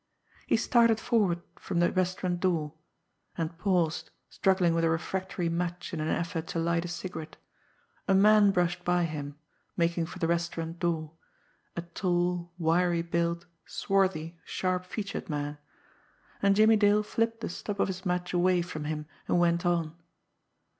He started forward from the restaurant door and paused, struggling with a refractory match in an effort to light a cigarette. A man brushed by him, making for the restaurant door, a tall, wiry built, swarthy, sharp featured man and Jimmie Dale flipped the stub of his match away from him, and went on.